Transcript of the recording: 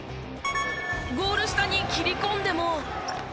ゴール下に切り込んでも。